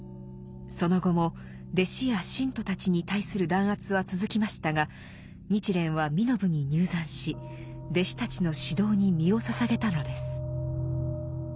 その後も弟子や信徒たちに対する弾圧は続きましたが日蓮は身延に入山し弟子たちの指導に身を捧げたのです。